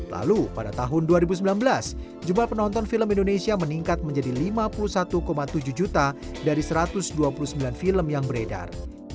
lalu pada tahun dua ribu sembilan belas jumlah penonton film indonesia meningkat menjadi lima puluh satu tujuh juta dari satu ratus dua puluh sembilan film yang beredar